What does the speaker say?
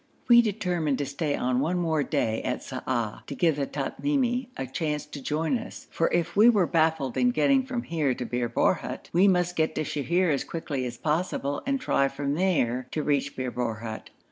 We determined to stay on one more day at Sa'ah to give the Tamimi a chance to join us, for if we were baffled in getting from here to Bir Borhut, we must get to Sheher as quickly as possible and try from there to reach Bir Borhut.